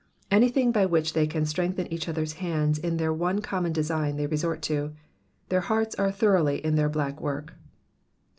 Anything by which they can strengthen each other^s hands in their one common desijj^n they resort to ; their hearts are thoroughly in their black work.